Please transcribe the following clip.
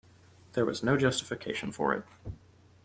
There was no justification for it.